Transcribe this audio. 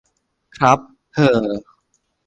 ครับ เฮ่อ